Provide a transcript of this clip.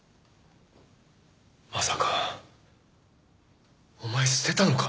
まさかお前捨てたのか？